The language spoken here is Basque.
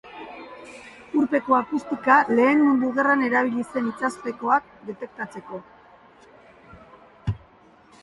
Urpeko akustika Lehen Mundu Gerran erabili zen itsaspekoak detektatzeko.